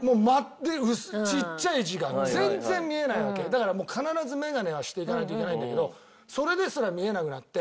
だからもう必ず眼鏡はしていかないといけないんだけどそれですら見えなくなって。